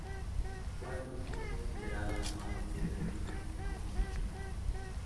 Watkins es considerada "la madre del periodismo afroamericano".